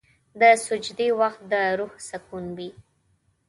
د سجدې وخت د روح سکون وي.